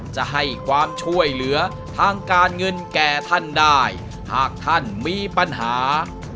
จะให้ความช่วยเหลือทางการเงินแก่ท่านได้หากท่านมีปัญหา